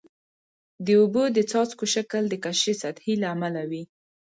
د اوبو د څاڅکو شکل د کشش سطحي له امله وي.